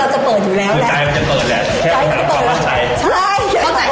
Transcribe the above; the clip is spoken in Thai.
ใช่ความมั่นใจ